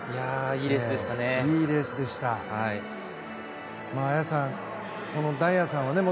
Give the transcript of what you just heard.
いいレースでしたね。